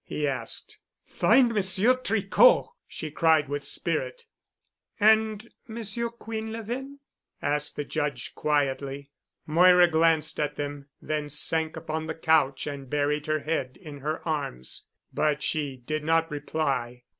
he asked. "Find Monsieur Tricot!" she cried with spirit. "And Monsieur Quinlevin?" asked the Judge quietly. Moira glanced at them, then sank upon the couch and buried her head in her arms, but she did not reply.